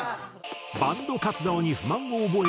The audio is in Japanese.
バンド活動に不満を覚え解散。